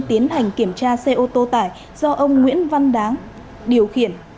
tiến hành kiểm tra xe ô tô tải do ông nguyễn văn đáng điều khiển